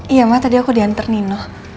iya ma tadi aku dianter nino